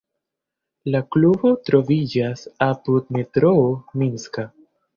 La klubo troviĝas apud metroo Minska.